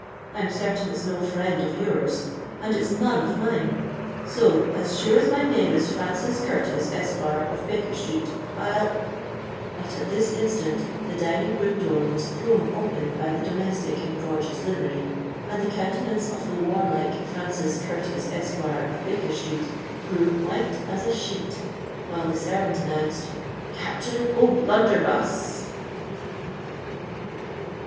I'm certain it's no friend of your's—and it's none of mine. So—as sure as my name is Francis Curtis, Esquire, of Baker Street—I'll—" But at this instant the dining room door was thrown open by the domestic in gorgeous livery; and the countenance of the warlike Francis Curtis, Esquire, of Baker Street, grew white as a sheet, when the servant announced—"CAPTAIN O'BLUNDERBUSS!"